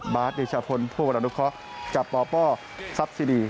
บาร์ดเดชาพลพวกรรดุคอร์กับปอปอร์ซับซีดี